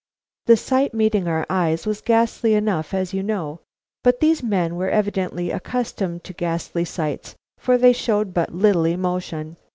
The sight meeting our eyes was ghastly enough, as you know; but these men were evidently accustomed to ghastly sights, for they showed but little emotion.